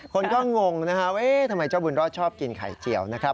คนก็งงนะฮะเอ๊ะทำไมเจ้าบุญรอดชอบกินไข่เจียวนะครับ